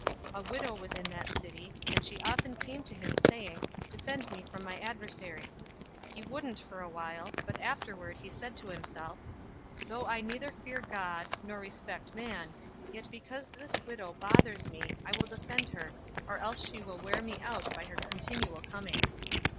018:003 A widow was in that city, and she often came to him, saying, 'Defend me from my adversary!' 018:004 He wouldn't for a while, but afterward he said to himself, 'Though I neither fear God, nor respect man, 018:005 yet because this widow bothers me, I will defend her, or else she will wear me out by her continual coming.'"